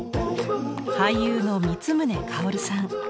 俳優の光宗薫さん。